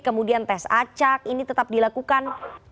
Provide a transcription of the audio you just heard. kemudian tes acak ini tetap dilakukan